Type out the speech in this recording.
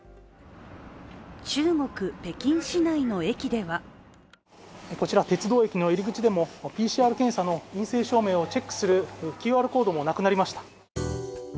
中国・北京市内の駅ではこちら、鉄道駅の入り口でもＰＣＲ検査の陰性証明をチェックするＱＲコードもなくなりました。